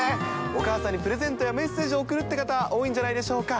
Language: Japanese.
お母さんにプレゼントやメッセージを贈るっていう方、多いんじゃないでしょうか。